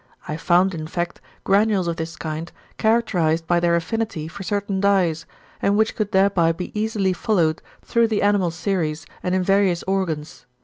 I found, in fact, granules of this kind, characterised by their affinity for certain dyes, and which could thereby be easily followed through the animal series and in various organs.